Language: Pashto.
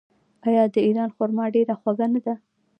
آیا د ایران خرما ډیره خوږه نه ده؟